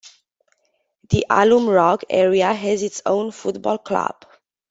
The Alum rock area has its own football club.